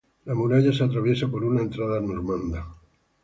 La muralla se atraviesa por una entrada normanda.